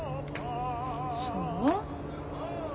そう？